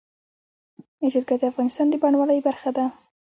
جلګه د افغانستان د بڼوالۍ برخه ده.